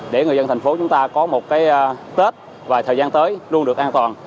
để người dân thành phố chúng ta có một cái tết và thời gian tới luôn được an toàn